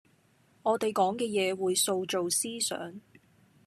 我地講嘅嘢會塑造思想